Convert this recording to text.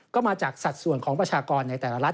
ก็มาจากสัดส่วนของประชากรในแต่ละรัฐ